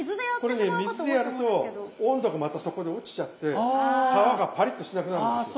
これね水でやると温度がまたそこで落ちちゃって皮がパリッとしなくなるんですよ。